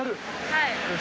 はい。